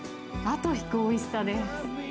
後引くおいしさです。